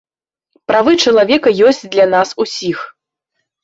Правы чалавека ёсць для нас усіх.